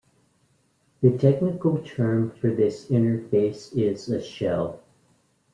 The technical term for this interface is a "shell".